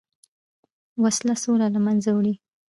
وسله سوله له منځه وړي